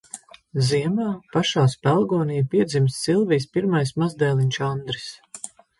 Ziemā, pašā spelgonī piedzimst Silvijas pirmais mazdēliņš Andris.